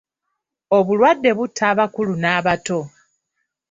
Obulwadde butta abakulu n'abato.